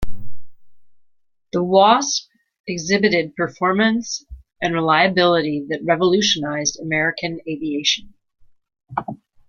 The Wasp exhibited performance and reliability that revolutionized American aviation.